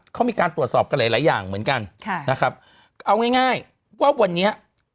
เขามีการตรวจสอบกันหลายอย่างเหมือนกันเอาง่ายว่าวันนี้